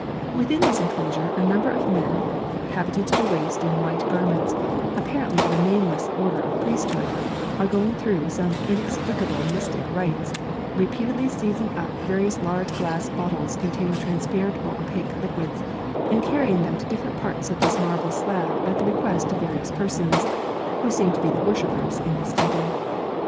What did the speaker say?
Within this enclosure, a number of men, habited to the waist in white garments, apparently a nameless order of priesthood are going through some inexplicable mystic rites, repeatedly seizing up various large glass bottles containing transparent or opaque liquids, and carrying them to different parts of this marble slab at the request of various persons, who seem to be the worshippers in this temple.